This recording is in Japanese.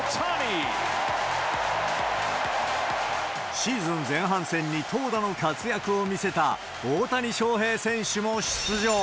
シーズン前半戦に投打の活躍を見せた大谷翔平選手も出場。